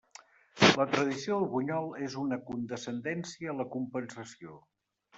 La tradició del bunyol és una condescendència a la compensació.